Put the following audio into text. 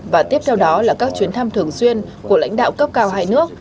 và tiếp theo đó là các chuyến thăm thường xuyên của lãnh đạo cấp cao hai nước